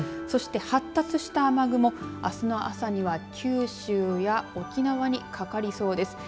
そして発達した雨雲あすの朝には九州や沖縄にかかりそうです。